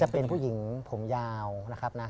เป็นผู้หญิงผมยาวนะครับนะ